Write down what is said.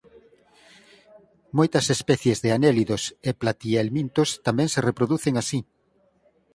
Moitas especies de anélidos e platihelmintos tamén se reproducen así.